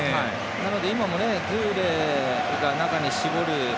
なので、今もズーレが中に絞る。